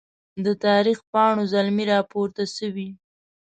د تاریخ پاڼو زلمي راپورته سوي